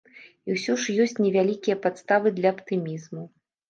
І ўсё ж ёсць невялікія падставы для аптымізму.